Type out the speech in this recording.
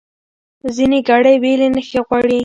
ځینې ګړې بېلې نښې غواړي.